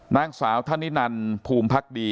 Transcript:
นางสาวธนินันภูมิพักดี